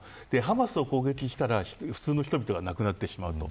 ハマスを攻撃したら、普通の人々が亡くなってしまうと。